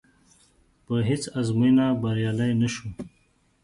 په هېڅ ازموینه بریالی نه شو.